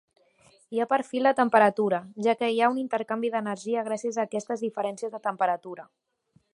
Hi ha perfil de temperatura, ja que hi ha un intercanvi d'energia gràcies a aquesta diferència de temperatura.